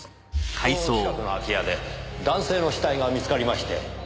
この近くの空き家で男性の死体が見つかりまして。